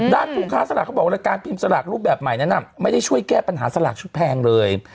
ผู้ค้าสลากเขาบอกว่าการพิมพ์สลากรูปแบบใหม่นั้นไม่ได้ช่วยแก้ปัญหาสลากชุดแพงเลย